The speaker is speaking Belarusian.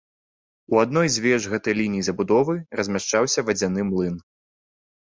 У адной з веж гэтай лініі забудовы размяшчаўся вадзяны млын.